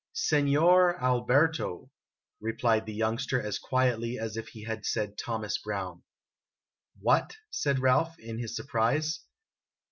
" Signer Alberto," replied the youngster as quietly as if he had said Thomas Brown. " What?" said Ralph, in his surprise.